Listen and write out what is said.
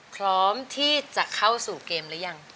พร้อมที่จะเข้าสู่เกมหรือยัง